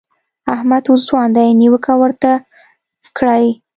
احمد اوس ځوان دی؛ نيوکه ورته کړئ.